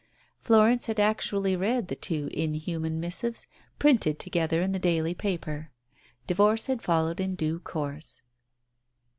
Florence had actually read the two inhuman missives printed together in the daily paper. Divorce had followed in due course.